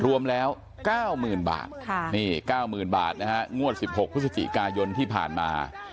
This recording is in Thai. รวมแล้วเก้ามือนบาทค่ะนี่เก้ามือนบาทนะฮะงวดสิบหกพฤศจิกายนที่ผ่านมา